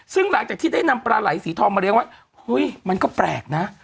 ซึ่งหลังจากที่ได้นำปลาไหลสีทองมาเลี้ยงไว้เฮ้ยมันก็แปลกนะ